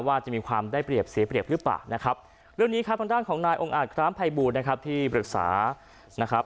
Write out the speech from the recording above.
ว่าจะมีความได้เปรียบเสียเปรียบหรือเปล่านะครับเรื่องนี้ครับทางด้านของนายองค์อาจคล้ามภัยบูรณ์นะครับที่ปรึกษานะครับ